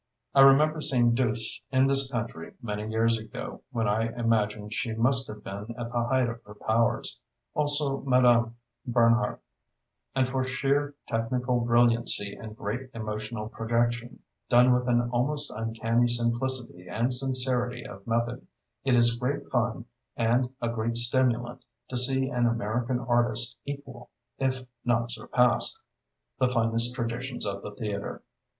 I remember seeing Duse in this country many years ago, when I imagine she must have been at the height of her powers—also Madame Bernhardt—and for sheer technical brilliancy and great emotional projection, done with an almost uncanny simplicity and sincerity of method, it is great fun and a great stimulant to see an American artist equal, if not surpass, the finest traditions of the theatre.